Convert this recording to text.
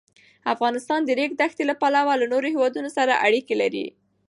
افغانستان د د ریګ دښتې له پلوه له نورو هېوادونو سره اړیکې لري.